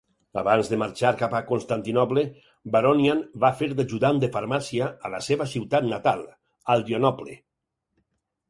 Abans de marxar cap a Constantinoble, Baronian va fer d'ajudant de farmàcia a la seva ciutat natal, Adrianople.